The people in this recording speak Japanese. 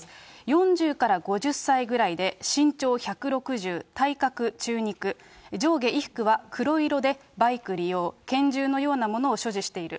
４０から５０歳ぐらいで、身長１６０、体格中肉、上下衣服は黒色でバイク利用、拳銃のようなものを所持している。